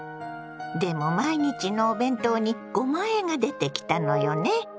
でも毎日のお弁当にごまあえが出てきたのよね。